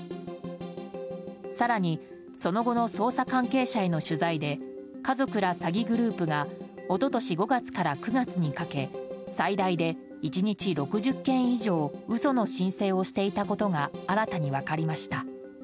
更にその後の捜査関係者への取材で家族ら詐欺グループが一昨年５月から９月にかけ最大で１日６０件以上嘘の申請をしていたことが新たに分かりました。